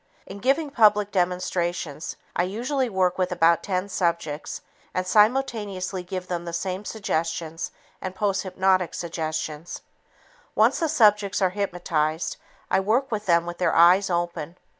In giving public demonstrations, I usually work with about ten subjects and simultaneously give them the same suggestions and posthypnotic suggestions. Once the subjects are hypnotized, I work with them with their eyes open.